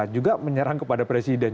juga menyerang kepada presiden